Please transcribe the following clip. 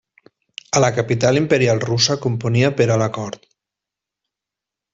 A la capital imperial russa componia per a la cort.